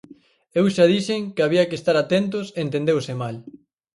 Eu xa dixen que había que estar atentos e entendeuse mal.